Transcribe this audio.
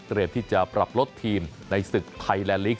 เตรียมที่จะปรับลดทีมในศึกไทยและลีกซ์